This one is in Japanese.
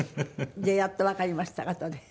でやっとわかりましたあとで。